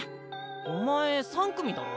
お前３組だろ？